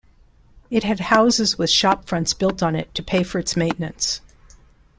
It had houses with shopfronts built on it to pay for its maintenance.